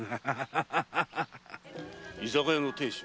居酒屋の亭主？